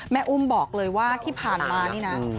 อุ้มบอกเลยว่าที่ผ่านมานี่นะ